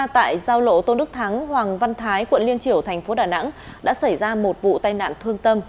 tại giao lộ tôn đức thắng hoàng văn thái quận liên triểu thành phố đà nẵng đã xảy ra một vụ tai nạn thương tâm